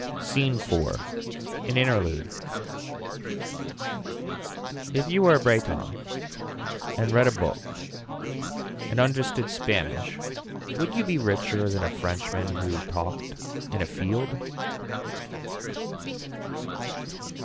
SCENE IV. An interlude. If you were a Breton and read a book and understood Spanish would you be richer than a frenchman who talked in a field.